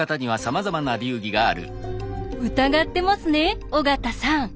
疑ってますね尾形さん。